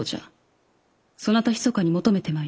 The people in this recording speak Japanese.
そなたひそかに求めてまいれ。